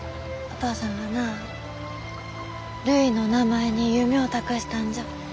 お父さんはなるいの名前に夢ょお託したんじゃ。